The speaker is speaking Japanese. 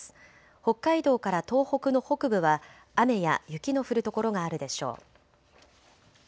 北海道から東北の北部は雨や雪の降る所があるでしょう。